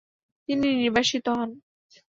তিনি নির্বাসিত হন।